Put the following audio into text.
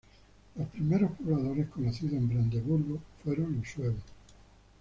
Los primeros pobladores conocidos de Brandeburgo fueron los suevos.